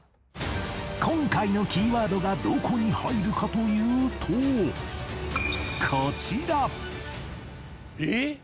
今回のキーワードがどこに入るかというとこちらえっ！